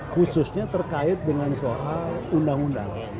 khususnya terkait dengan soal undang undang